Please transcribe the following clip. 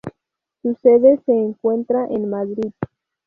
Su sede se encuentra en Madrid.